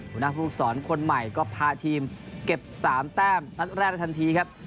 หัวหน้าภูมิสอนคนใหม่ก็พาทีมเก็บ๓แต้มนัดแรกได้ทันทีครับ